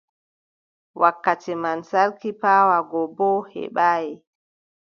Wakkati man, sarki paawa go boo o heɓaay.